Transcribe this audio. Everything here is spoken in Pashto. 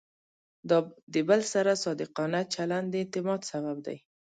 د بل سره صادقانه چلند د اعتماد سبب دی.